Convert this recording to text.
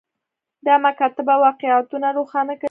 دا مکاتبه واقعیتونه روښانه کوي.